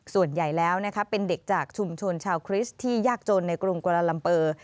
ส่วนใหญ่แล้วเป็นเด็กจากชุมชนชาวคริสต์ที่ยากจนในกรุงกวาลาลัมเปอร์